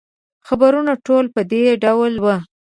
خبرونه ټول په دې ډول وو.